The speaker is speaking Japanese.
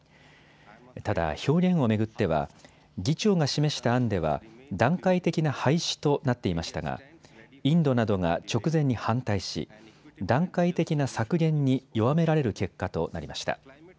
ただ表現を巡っては議長が示した案では、段階的な廃止となっていましたがインドなどが直前に反対し段階的な削減に弱められる結果となりました。